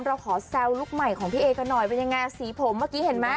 เราขอแซวลูกใหม่ของพี่เอกันหน่อยเป็นยังไงสีผมเมื่อกี้เห็นไหม